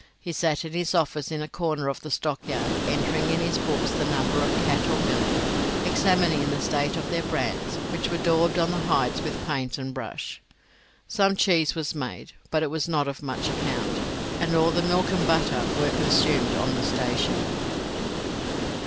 He sat in his office in a corner of the stockyard, entering in his books the number of cattle milked, and examining the state of their brands, which were daubed on the hides with paint and brush. Some cheese was made, but it was not of much account, and all the milk and butter were consumed on the station.